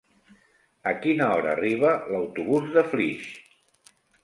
A quina hora arriba l'autobús de Flix?